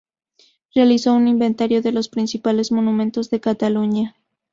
Realizó un inventario de los principales monumentos de Cataluña.